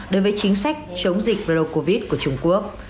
đối với chính sách chống dịch procovis của trung quốc